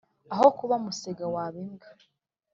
Aho kuba umusega waba imbwa.